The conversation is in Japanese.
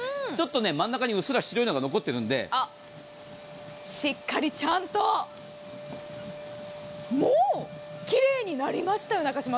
ちょっと真ん中にうっすら白いのが残っているのでしっかりちゃんと、もうきれいになりましたよ。